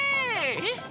えっ？